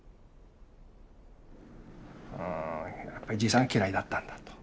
うんじいさん嫌いだったんだと。